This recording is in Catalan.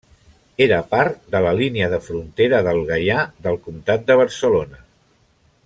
Era part de la línia de frontera del Gaià del Comtat de Barcelona.